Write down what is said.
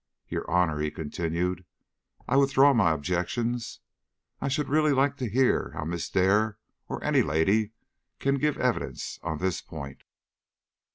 "Your Honor," he continued, "I withdraw my objections; I should really like to hear how Miss Dare or any lady can give evidence on this point."